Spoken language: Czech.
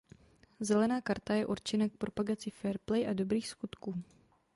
Zelená karta je určena k propagaci fair play a dobrých skutků.